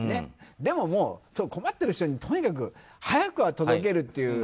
でももう、困っている人にとにかく早く届けるっていう。